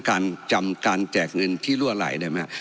การจำการแจกเงินที่รั่วไหลได้ไหมครับ